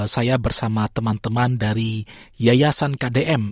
saya bersama teman teman dari yayasan kdm